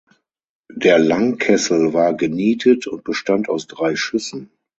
Der Langkessel war genietet und bestand aus drei Schüssen.